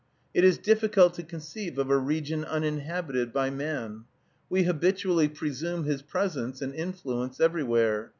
It is difficult to conceive of a region uninhabited by man. We habitually presume his presence and influence everywhere.